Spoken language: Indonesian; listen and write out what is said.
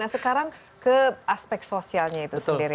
nah sekarang ke aspek sosialnya itu sendiri